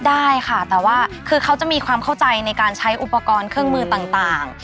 ได้ค่ะแต่ว่าคือเขาจะมีความเข้าใจในการใช้อุปกรณ์เครื่องมือต่าง